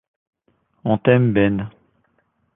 On t'aime Ben.